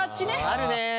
あるね。